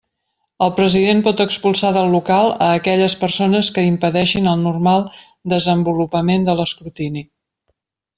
El president pot expulsar del local a aquelles persones que impedeixin el normal desenvolupament de l'escrutini.